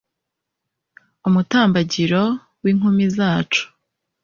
Umutambagiro wInkumi zacu